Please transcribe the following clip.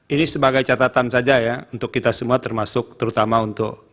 ini sebagai catatan saja ya untuk kita semua termasuk terutama untuk